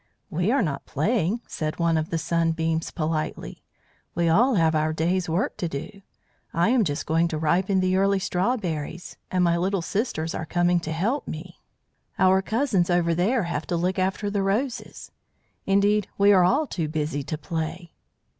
"We are not playing," said one of the Sunbeams politely. "We all have our day's work to do. I am just going to ripen the early strawberries, and my little sisters are coming to help me. Our cousins over there have to look after the roses. Indeed, we are all too busy to play."